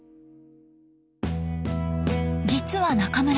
実は中村さん